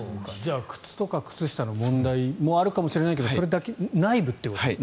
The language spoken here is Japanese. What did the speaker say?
靴とか靴下の問題もあるかもしれないけど内部ということですか。